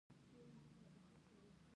ما وویل شونې ده چې همدا هوښیاري وي.